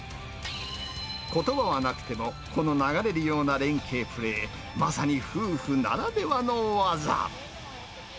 ことばはなくても、この流れるような連携プレー、まさに夫婦ならではの技。